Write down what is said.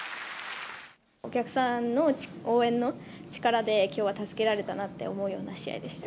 お客さんの応援の力できょうは助けられたなって思うような試合でした。